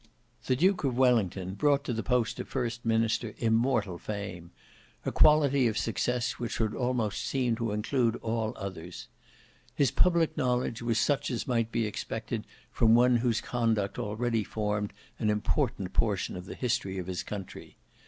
The DUKE OF WELLINGTON brought to the post of first minister immortal fame; a quality of success which would almost seem to include all others. His public knowledge was such as might be expected from one whose conduct already formed an important portion of the history of his country.